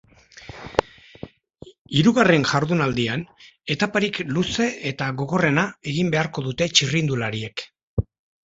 Hirugarren jardunaldian, etaparik luze eta gogorrena egin beharko dute txirrindulariek.